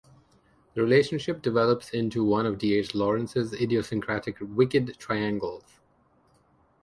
The relationship develops into one of D. H. Lawrence's idiosyncratic 'wicked triangles'.